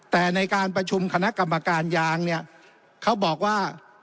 แต่ในการประชุมคณะกรรมการยางเนี่ยเขาบอกว่า